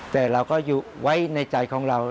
แต่เราก็ไว้ในใจของเรา